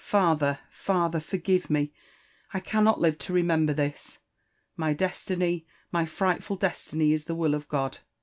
Father ! father !— forgive me ! I cannot live to remember this. — My destiny, my frightful destiny is the will of God.